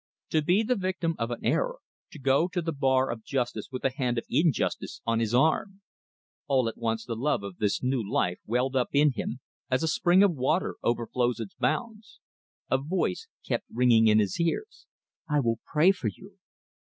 To be the victim of an error to go to the bar of justice with the hand of injustice on his arm! All at once the love of this new life welled up in him, as a spring of water overflows its bounds. A voice kept ringing in his ears, "I will pray for you."